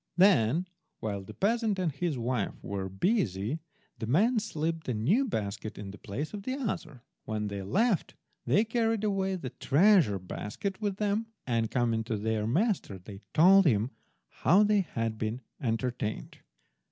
Then while the peasant and his wife were busy, the men slipped the new basket in the place of the other. When they left they carried away the treasure basket with them, and coming to their master they told him how they had been entertained.